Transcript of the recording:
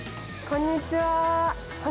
こんにちは。